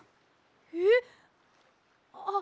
えっ！？